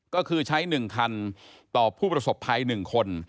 ก็คือใช้๑คันต่อผู้ประสบภัย๑คน